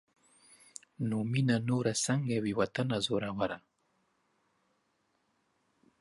نو مينه نوره سنګه وي واطنه زوروره